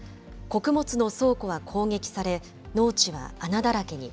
穀物の倉庫は攻撃され、農地は穴だらけに。